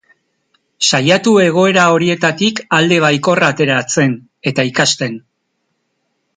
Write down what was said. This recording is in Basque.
Saiatu egoera horietatik alde baikorra ateratzen, eta ikasten.